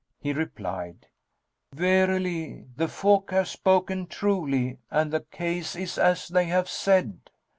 He replied, "Verily the folk have spoken truly and the case is as they have said."